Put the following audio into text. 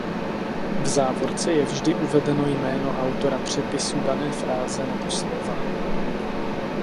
V závorce je vždy uvedeno jméno autora přepisu dané fráze nebo slova.